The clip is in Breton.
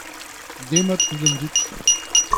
demat tout an dud.